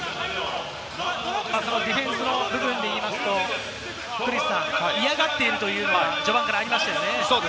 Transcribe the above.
ディフェンスの部分で言いますと、嫌がっているというのは序盤からありましたね。